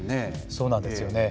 そうなんですよね。